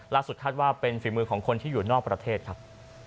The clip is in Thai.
คาดว่าเป็นฝีมือของคนที่อยู่นอกประเทศครับ